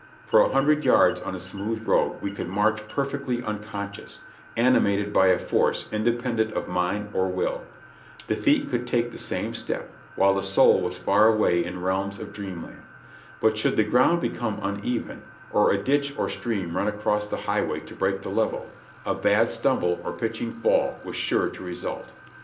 For a hundred yards on a smooth road we could march per fectly unconscious, animated by a force independent of mind or will. The feet could take the same step, while the soul was far away in realms of dreamland. But should the ground become uneven, or a ditch or stream run across the highway to break the level, a bad stumble or pitching fall was sure to result.